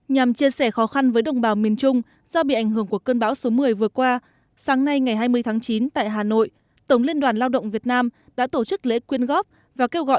nhằm chia sẻ khó khăn với đồng bào miền trung do bị ảnh hưởng của cơn bão số một mươi vừa qua sáng nay ngày hai mươi tháng chín tại hà nội tổng liên đoàn lao động việt nam đã tổ chức lễ quyên góp và kêu gọi